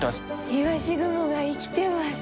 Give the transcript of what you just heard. いわし雲が生きてます。